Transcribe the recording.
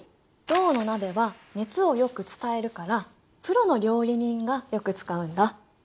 銅の鍋は熱をよく伝えるからプロの料理人がよく使うんだ。